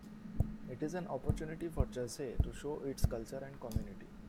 It is an opportunity for Chertsey to show its culture and community.